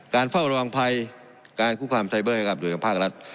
การเฝ้าระวังภัยการคุ้กความไซเบอร์ให้กับโดยกรรมภาครัฐ